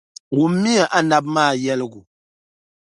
wummiya anabi maa yɛligu.